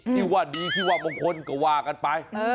ที่ว่าดีที่ว่ามงคลก็ว่ากันไป